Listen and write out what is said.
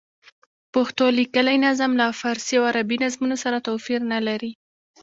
پښتو لیکلی نظم له فارسي او عربي نظمونو سره توپیر نه لري.